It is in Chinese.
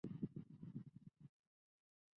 大卡萨是巴西米纳斯吉拉斯州的一个市镇。